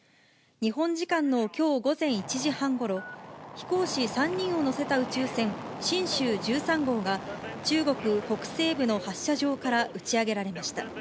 日本時間のきょう午前１時半ごろ、飛行士３人を乗せた宇宙船、神舟１３号が、中国北西部の発射場から打ち上げられました。